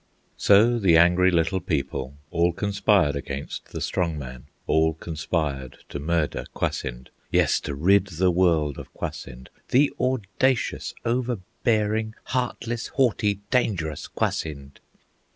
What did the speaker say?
So the angry Little People All conspired against the Strong Man, All conspired to murder Kwasind, Yes, to rid the world of Kwasind, The audacious, overbearing, Heartless, haughty, dangerous Kwasind!